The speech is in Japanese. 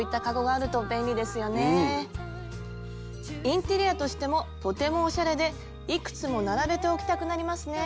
インテリアとしてもとてもおしゃれでいくつも並べて置きたくなりますね。